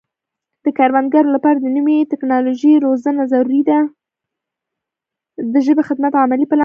د ژبې خدمت عملي پلان دی.